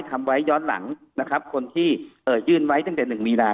ทำไว้ย้อนหลังนะครับคนที่ยื่นไว้ตั้งแต่๑มีนา